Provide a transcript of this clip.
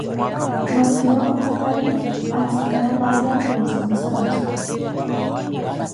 Noofiya opatari ansikana Laazaru oozanyisaka swi.